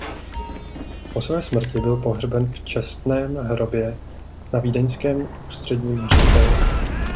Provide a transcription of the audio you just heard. Po své smrti byl pohřben v čestném hrobě na Vídeňském ústředním hřbitově.